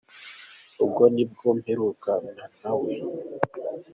Ubwo ni bwo mperukana na we.